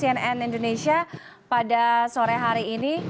bersama dengan ucnn indonesia pada sore hari ini